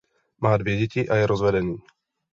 Má dvě děti a je rozvedený.